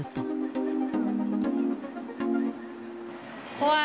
怖い。